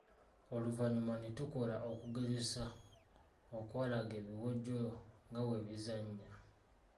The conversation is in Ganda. Oluvannyuma ne tukola okugezesa okwalaga ebiwojjolo nga bwe bizannya.